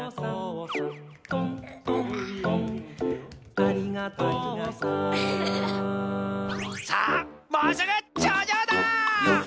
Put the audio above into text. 「とんとんとんありがとうさん」さあもうすぐちょうじょうだ！